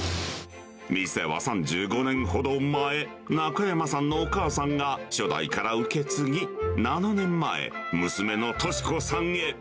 店は３５年ほど前、中山さんのお母さんが初代から受け継ぎ、７年前、娘の俊子さんへ。